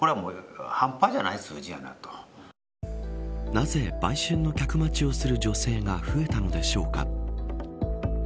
なぜ売春の客待ちをする女性が増えたのでしょうか。